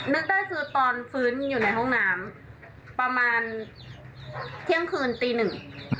นึกได้คือตอนฟื้นอยู่ในห้องน้ำประมาณเที่ยงคืนตีหนึ่ง